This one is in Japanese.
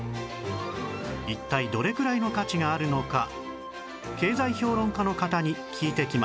一体どれくらいの価値があるのか経済評論家の方に聞いてきました